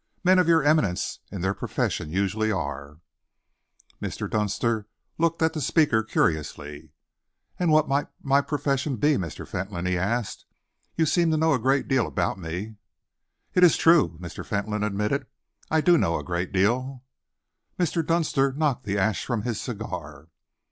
Men of your eminence in their profession usually are." Mr. Dunster looked at the speaker curiously. "And what might my profession be, Mr. Fentolin?" he asked. "You seem to know a great deal about me." "It is true," Mr. Fentolin admitted. "I do know a great deal." Mr. Dunster knocked the ash from his cigar.